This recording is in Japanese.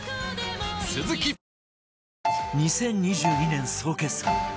２０２２年総決算！